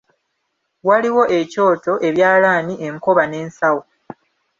Waliwo ekyoto, ebyalaani, enkoba n'ensawo.